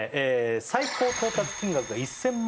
最高到達金額が１０００万